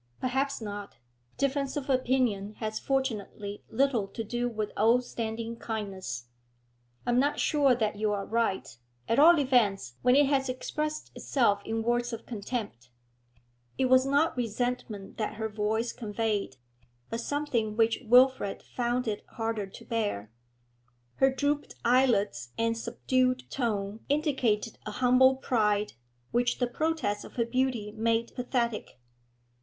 'Perhaps not. Difference of opinion has fortunately little to do with old standing kindness.' 'I am not sure that you are right, at all events when it has expressed itself in words of contempt.' It was not resentment that her voice conveyed, but some thing which Wilfrid found it harder to bear. Her drooped eyelids and subdued tone indicated a humble pride, which the protest of her beauty made pathetic.